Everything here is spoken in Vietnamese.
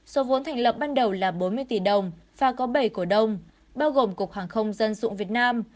số vốn thành lập ban đầu là bốn mươi tỷ đồng và có bảy cổ đông bao gồm cục hàng không dân dụng việt nam